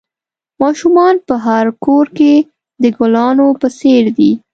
ماشومان په هر کور کې د گلانو په څېر دي.